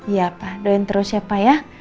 ya pak doain terus ya pak ya